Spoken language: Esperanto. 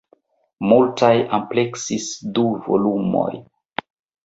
Multaj ampleksis du volumojn.